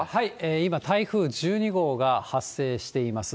今、台風１２号が発生しています。